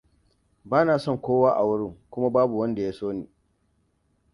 Ba na son kowa a wurin kuma babu wanda ya so ni.